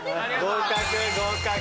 合格合格。